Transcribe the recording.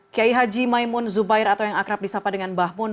kiai haji maimun zubair atau yang akrab disapa dengan mbah mun